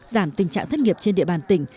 giảm tình trạng thất nghiệp trên địa bàn tỉnh